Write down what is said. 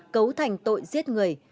cấu thành tội giết người